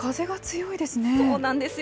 そうなんですよ。